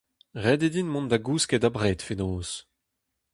Ret eo din mont da gousket abred fenoz.